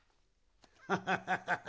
ハハハハハ！